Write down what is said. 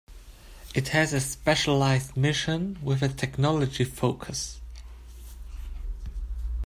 It has a specialized mission with a technology focus.